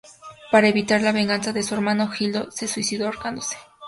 Para evitar la venganza de su hermano, Gildo se suicidó ahorcándose.